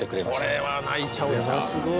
これは泣いちゃうんちゃう？